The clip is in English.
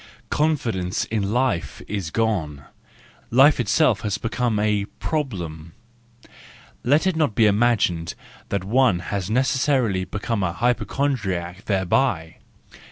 Confidence in life is gone: life itself has become a problem .—Let it not be imagined that one has necessarily become a hypochondriac thereby!